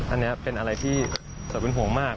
อันนี้เป็นอะไรที่เธอเป็นห่วงมาก